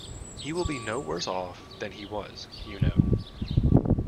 He will be no worse off than he was, you know.